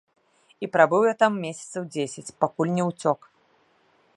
І прабыў я там месяцаў дзесяць, пакуль не ўцёк.